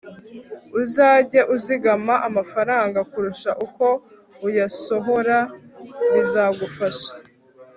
Uzage uzigama amafaranga kurusha uko uyasohora bizagufasha